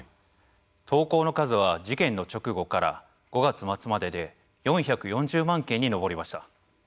投稿の数は事件の直後から５月末までで４４０万件に上りました。